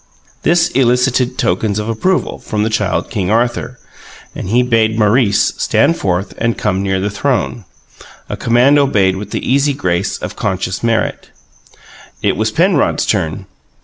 This elicited tokens of approval from the Child King Arthur, and he bade Maurice "stand forth" and come near the throne, a command obeyed with the easy grace of conscious merit. It was Penrod's turn.